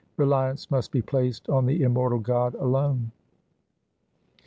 Reliance must be placed on the immortal God alone.'